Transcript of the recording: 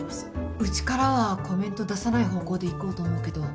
うちからはコメント出さない方向でいこうと思うけど。